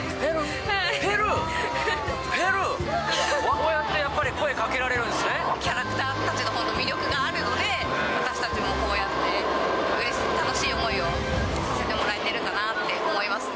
こうやってやっぱり声かけらキャラクターたちの魅力があるので、私たちもこうやって楽しい思いをさせてもらえてるかなって思いますね。